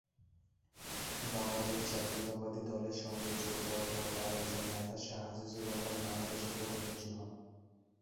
বাংলাদেশ জাতীয়তাবাদী দলের সঙ্গে যোগ দেওয়ার পর তার একজন নেতা শাহ আজিজুর রহমান বাংলাদেশের প্রধানমন্ত্রী হন।